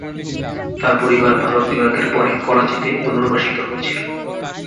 তাঁর পরিবার ভারত বিভাগের পরে করাচিতে পুনর্বাসিত হয়েছিল।